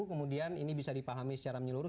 kemudian ini bisa dipahami secara menyeluruh